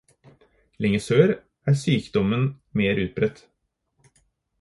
Lenger sør er sykdommen mer utbredt.